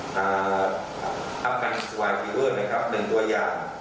ห้ามกันสุวรรค์ฟิเวิร์นหนึ่งตัวอย่าง